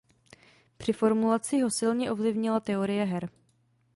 Při formulaci ho silně ovlivnila teorie her.